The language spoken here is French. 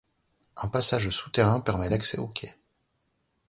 Un passage souterrain permet l'accès aux quais.